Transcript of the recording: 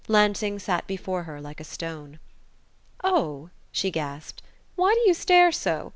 Lansing sat before her like a stone. "Oh," she gasped, "why do you stare so?